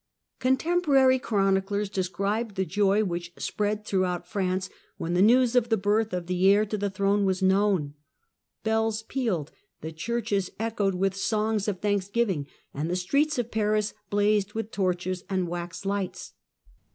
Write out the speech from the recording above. Con ^^^^ temporary chroniclers describe the joy which spread throughout France when the news of the birth of the heir to the throne was known. Bells pealed, the churches echoed with songs of thanksgiving, and the streets of Paris blazed with torches and wax lights.